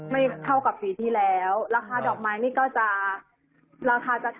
ไม่เท่ากับปีที่แล้วราคาดอกไม้นี่ก็จะราคาจะ